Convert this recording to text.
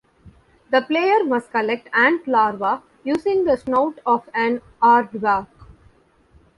The player must collect ant larva using the snout of an aardvark.